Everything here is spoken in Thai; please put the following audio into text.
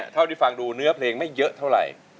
เท่าที่ฟังดูเนื้อเพลงไม่เยอะเท่าไหร่